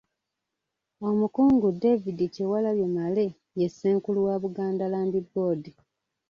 Omukungu David Kyewalabye Male ye Ssenkulu wa Buganda Land Board.